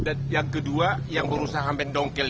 dan yang kedua yang berusaha mendongkik